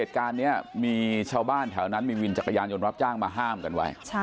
เหตุการณ์นี้มีชาวบ้านแถวนั้นมีวินจักรยานยนต์รับจ้างมาห้ามกันไว้